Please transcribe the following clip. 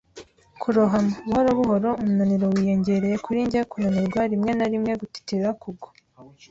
kurohama. Buhoro buhoro umunaniro wiyongereye kuri njye; kunanirwa, rimwe na rimwe gutitira, kugwa